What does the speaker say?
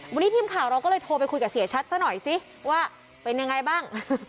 วันนี้ทีมข่าวเราก็เลยโทรไปคุยกับเสียชัดซะหน่อยสิว่าเป็นยังไงบ้าง